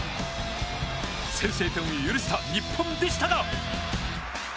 先制点を許した日本でしたが。